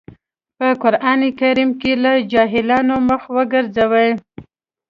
په قرآن کريم کې له جاهلانو مخ وګرځوئ.